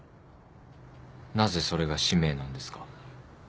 なぜそれが使命なんですか？